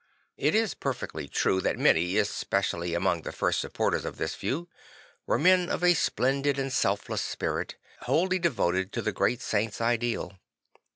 It is perfectly true that many, especially among the first supporters of this view, were men of a splendid and selfless spirit, wholly devoted to the great saint's ideal.